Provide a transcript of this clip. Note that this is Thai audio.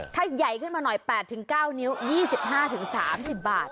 ถ้าใหญ่ขึ้นมาหน่อย๘๙นิ้ว๒๕๓๐บาท